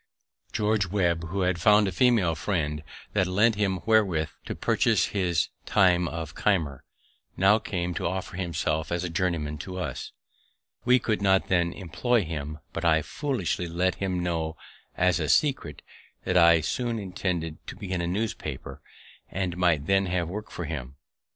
George Webb, who had found a female friend that lent him wherewith to purchase his time of Keimer, now came to offer himself as a journeyman to us. We could not then employ him; but I foolishly let him know as a secret that I soon intended to begin a newspaper, and might then have work for him.